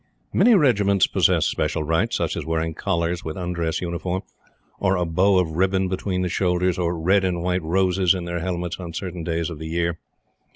Many Regiments possess special rights, such as wearing collars with undress uniform, or a bow of ribbon between the shoulders, or red and white roses in their helmets on certain days of the year.